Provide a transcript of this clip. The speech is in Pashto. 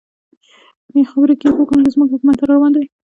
په خبرو کې یې پوه کړم چې زموږ حکومت را روان دی.